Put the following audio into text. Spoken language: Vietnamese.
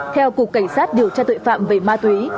theo cục cảnh sát điều tra tội phạm về ma túy